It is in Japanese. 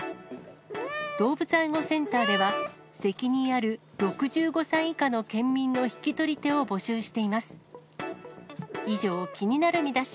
動物愛護センターでは、責任ある６５歳以下の県民の引き取り手を募集しています。